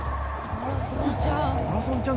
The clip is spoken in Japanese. マラソンちゃん。